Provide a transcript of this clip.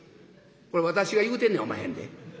これ私が言うてんねやおまへんで。